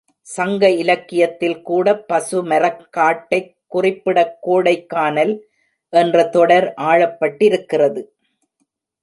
சங்க இலக்கியத்தில் கூடப் பசுமரக் காட்டைக் குறிப்பிடக் கோடைக்கானல் என்ற தொடர் ஆளப்பட்டிருக்கிறது.